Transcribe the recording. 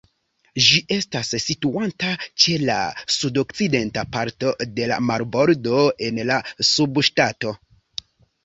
Ĝi estas situanta ĉe la sudokcidenta parto de la marbordo en la subŝtato.